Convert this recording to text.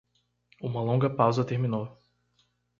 Uma longa pausa terminou.